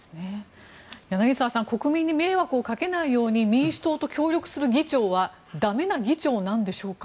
柳澤さん国民に迷惑をかけないように民主党と協力する議長は駄目な議長なんでしょうか？